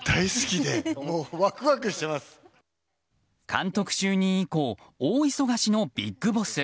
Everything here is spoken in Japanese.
監督就任以降大忙しのビッグボス。